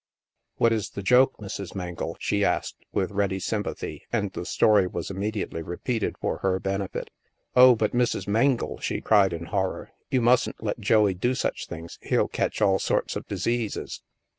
"What is the joke, Mrs. Mengle?" she asked, with ready sympathy, and the story was immediately repeated for her benefit. " Oh, but Mrs. Mengle," she cried in horror, " you mustn't let Joey do such things. He'll catch all sorts of diseases."